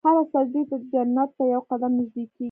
هر سجدې ته جنت ته یو قدم نژدې کېږي.